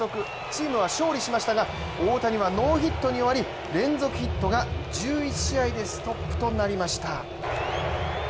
チームは勝利しましたが大谷はノーヒットに終わり連続ヒットが１１試合でストップとなりました。